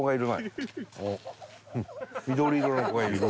緑色の子がいる。